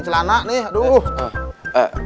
nah sekarang ada penampilan komedian